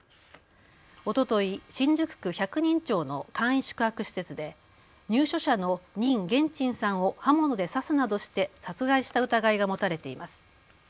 おととい、新宿区百人町の簡易宿泊施設で入所者の任元珍さんを刃物で刺すなどして殺害した疑いが持たれています。